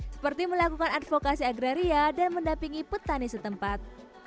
seperti melakukan advokasi agraria dan mendampingi petani setempat